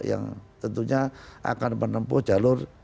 yang tentunya akan menempuh jalur